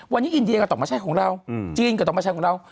วันนี้อินเดียก็ต้องไม่ใช่ของเราจีนก็ต้องไม่ใช่ของเรา